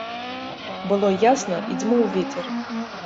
Было ясна і дзьмуў вецер.